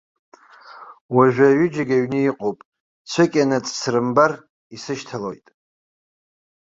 Уажәы аҩыџьагьы аҩны иҟоуп, цәыкьанаҵ срымбар исышьҭалоит.